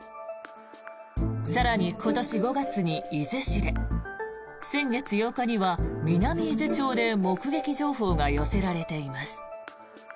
更に今年５月に伊豆市で先月８日には南伊豆町で目撃情報が寄せられています。